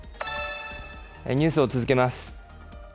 ニュースを続けます。